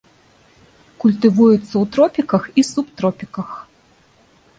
Культывуецца ў тропіках і субтропіках.